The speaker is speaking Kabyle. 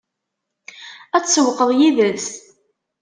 Ad tsewwqeḍ yid-s?